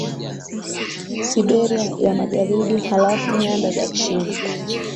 Siberia ya Magharibi halafu nyanda za chini